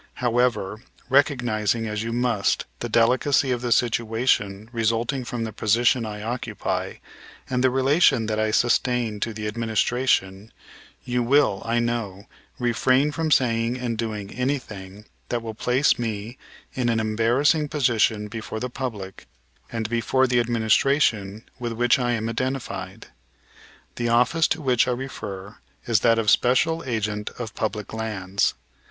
However, recognizing as you must the delicacy of the situation resulting from the position I occupy and the relation that I sustain to the administration, you will, I know, refrain from saying and doing anything that will place me in an embarrassing position before the public and before the administration with which I am identified. The office to which I refer is that of special agent of public lands.